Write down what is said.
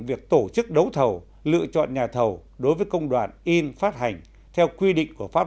việc tổ chức đấu thầu lựa chọn nhà thầu đối với công đoàn in phát hành theo quy định của pháp